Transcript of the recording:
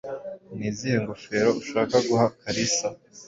Ni izihe ngofero ushaka guha Kalisa?